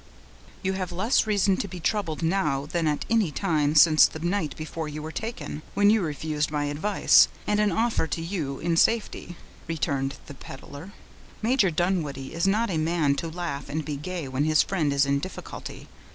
"You have less reason to be troubled now than at any time since the night before you were taken, when you refused my advice, and an offer to see you in safety," returned the peddler. "Major Dunwoodie is not a man to laugh and be gay when his friend is in difficulty.